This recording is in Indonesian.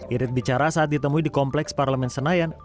irit bicara saat ditemui di kompleks parlemen senayan